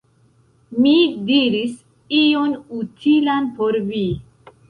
Mi diris ion utilan por vi!